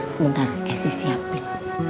sebentar esy siapin